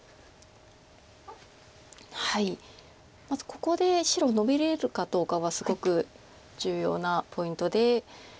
まずここで白ノビれるかどうかはすごく重要なポイントで。